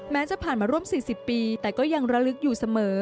จะผ่านมาร่วม๔๐ปีแต่ก็ยังระลึกอยู่เสมอ